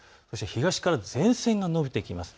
東から前線が延びてきます。